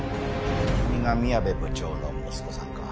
君が宮部部長の息子さんか。